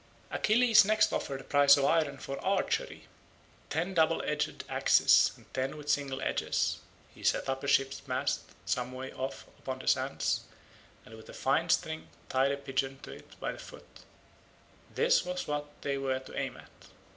Achilles next offered a prize of iron for archery—ten double edged axes and ten with single edges: he set up a ship's mast, some way off upon the sands, and with a fine string tied a pigeon to it by the foot; this was what they were to aim at.